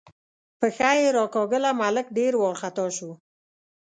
پښه یې راکاږله، ملک ډېر وارخطا شو.